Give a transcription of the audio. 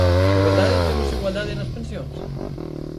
¿De verdade temos igualdade nas pensións?